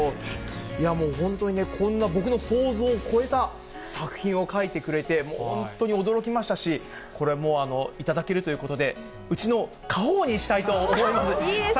いやもう本当にね、僕の想像を超えた作品を描いてくれて、本当に驚きましたし、これはもう、頂けるということで、うちの家宝にしたいと思います。